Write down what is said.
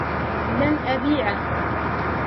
لن أبيعه.